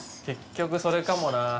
結局それかもな。